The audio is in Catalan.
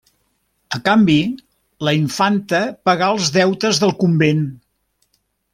A canvi, la infanta pagà els deutes del convent.